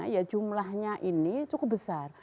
ya jumlahnya ini cukup besar